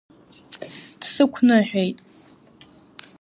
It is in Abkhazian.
Дсықәныҳәеит.